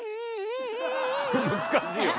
難しいよね。